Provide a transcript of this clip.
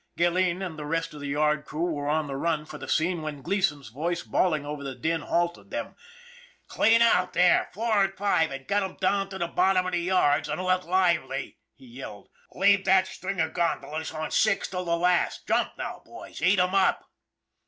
Gilleen and the rest of the yard crew were on the run for the scene when Gleason's voice, bawling over the din, halted them. " Clean out three, four an' five, an' get 'em down to the bottom of the yards, an' look lively!" he yelled. " Leave that string of gondolas on six till the last. Jump now, boys ! Eat 'em up